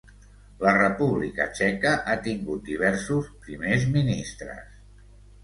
La República txeca ha tingut diversos primers ministres.